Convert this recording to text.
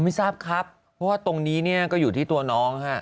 ไม่ทราบครับเพราะว่าตรงนี้เนี่ยก็อยู่ที่ตัวน้องฮะ